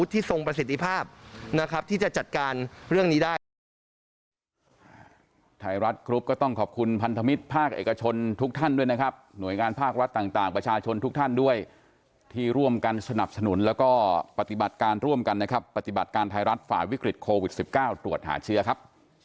ไทยรัฐครูปก็ต้องขอบคุณพันธมิตรภาคเอกชนทุกท่านด้วยนะครับหน่วยงานภาครัฐต่างประชาชนทุกท่านด้วยที่ร่วมกันสนับสนุนแล้วก็ปฏิบัติการร่วมกันนะครับปฏิบัติการไทยรัฐฝ่าวิกฤตโควิด๑๙ตรวจหาเชื้อครับ